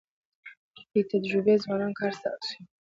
بې تجربې ځوانان کار سخت شي.